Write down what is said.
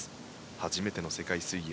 初めての世界水泳